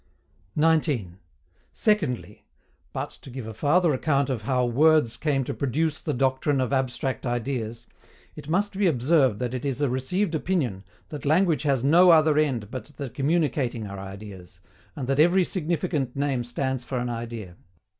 19. SECONDLY, But, to give a farther account how WORDS came to PRODUCE THE DOCTRINE OF ABSTRACT IDEAS, it must be observed that it is a received opinion that language has NO OTHER END but the communicating our ideas, and that every significant name stands for an idea.